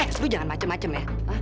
terus lu jangan macem macem ya